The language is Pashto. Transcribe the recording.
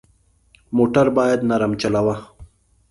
موټر باید نرم چلوه.